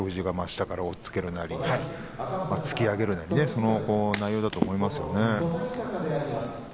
下から押っつけるなり突き上げるなりそういう内容だと思いますよね。